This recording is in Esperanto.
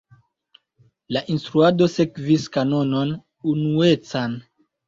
La instruado sekvis kanonon unuecan.